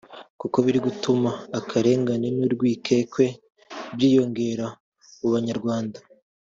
kuko biri mu bituma akarengane n’urwikekwe byiyongera m’ubanyarwanda